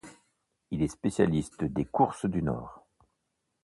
Il est spécialiste des courses du Nord.